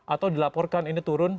atau dilaporkan ini turun